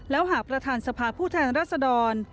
แล้วหากประธานสภาผู้แทนรัศดร